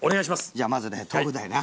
じゃあまずね豆腐だよな。